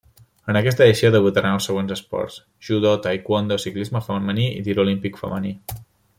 En aquesta edició debutaren els següents esports: judo, taekwondo, ciclisme femení i tir olímpic femení.